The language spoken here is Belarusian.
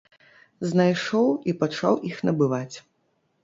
Знайшоў і пачаў іх набываць.